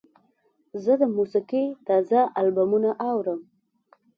زه د موسیقۍ تازه البومونه اورم.